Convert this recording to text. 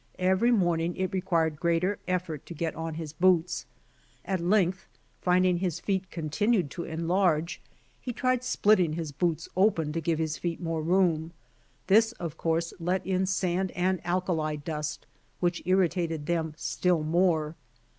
Every morning it required greater effort to get on his boots. At length, finding his feet continued to enlarge, he tried splitting his boots open to give his feet more room. This of course let in sand and alkali dust, which irritated them still more.